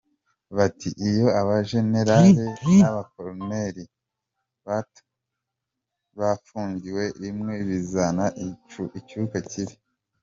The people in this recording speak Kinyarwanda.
Bati iyo abajenerari n’abakoloneri bafungiwe rimwe bizana icyuka kibi.